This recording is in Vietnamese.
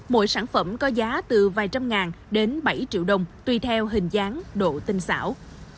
mỗi sản phẩm có giá từ vài trăm ngàn đến bảy triệu đồng tùy theo hình dáng độ tinh xảo